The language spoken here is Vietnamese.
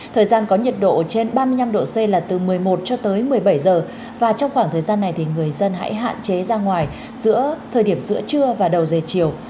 thời gian có nhiệt độ trên ba mươi năm độ c là từ một mươi một cho tới một mươi bảy giờ và trong khoảng thời gian này thì người dân hãy hạn chế ra ngoài giữa thời điểm giữa trưa và đầu giờ chiều